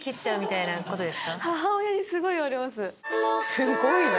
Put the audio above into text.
すごいな！